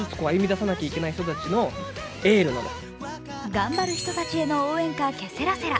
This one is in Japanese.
頑張る人たちへの応援歌「ケセラセラ」。